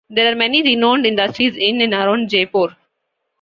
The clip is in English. There are many renowned industries in and around Jeypore.